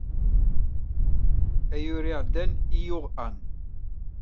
Ayyur iɛeddan i yuɣ Ann.